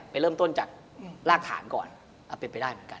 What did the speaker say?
ไปเริ่มต้นจากรากฐานก่อนเป็นไปได้เหมือนกัน